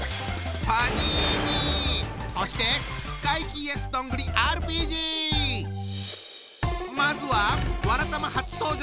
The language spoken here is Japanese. そしてまずは「わらたま」初登場の２人組。